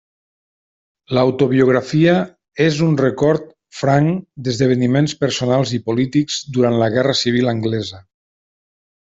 L'autobiografia és un record franc d'esdeveniments personals i polítics durant la Guerra Civil anglesa.